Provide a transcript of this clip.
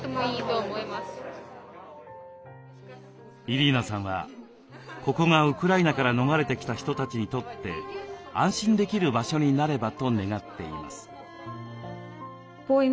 イリーナさんはここがウクライナから逃れてきた人たちにとって安心できる場所になればと願っています。